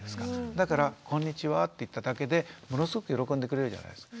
だから「こんにちは」って言っただけでものすごく喜んでくれるじゃないですか。